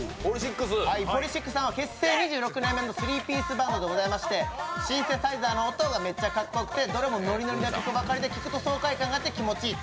ＰＯＬＹＳＩＣＳさんは結成２６年目の３ピースバンドでシンセサイザーの音がめっちゃかっこよくてどれもノリノリの曲ばかりで、聴くと爽快感があって気持ちいい。